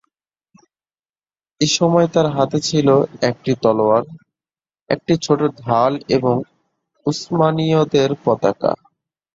এসময় তার হাতে ছিল একটি তলোয়ার, একটি ছোট ঢাল এবং উসমানীয়দের পতাকা।